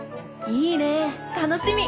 いいね楽しみ！